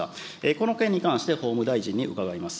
この件に関して法務大臣に伺います。